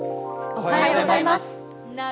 おはようございます。